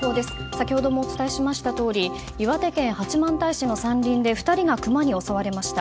先ほどもお伝えしましたとおり岩手県八幡平市の山林で２人がクマに襲われました。